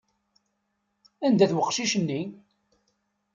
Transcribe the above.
Anda-t weqcic-nni?